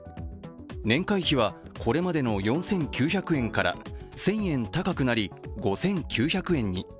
年会費は、これまでの４９００円から１０００円高くなり、５９００円に。